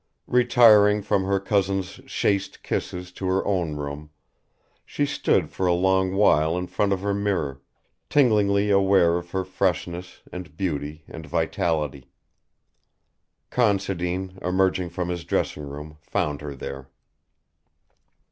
Retiring from her cousin's chaste kisses to her own room, she stood for a long while in front of her mirror, tinglingly aware of her freshness and beauty and vitality. Considine, emerging from his dressing room, found her there.